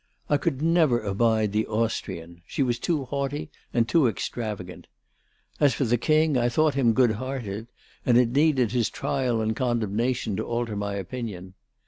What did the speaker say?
I could never abide the Austrian she was too haughty and too extravagant. As for the King, I thought him good hearted, and it needed his trial and condemnation to alter my opinion.